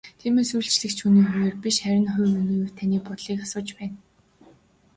Тиймээс үйлчлэгч хүний хувиар биш харин хувь хүний хувьд таны бодлыг асууж байна.